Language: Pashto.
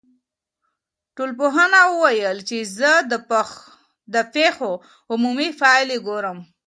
ټولنپوه وویل چي زه د پیښو عمومي پایلي ګورم.